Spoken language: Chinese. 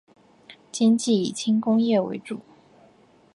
经济以轻工业为主。